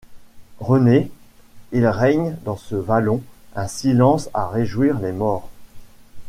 Renée! il règne dans ce vallon un silence à réjouir les morts.